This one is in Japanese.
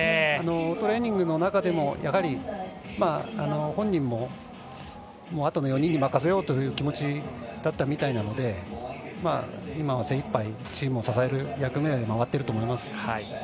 トレーニング中でも本人もあとの４人に任せようという気持ちだったみたいなので今は精いっぱいチームを支える役目に回っていると思います。